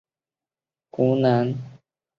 湖南民族主义提出的学说。